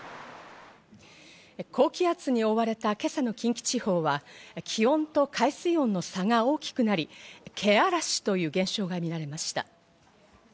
高気圧に覆われた今朝の近畿地方は気温と海水温の差が大きくなり、「けあらし」という現象が見られました。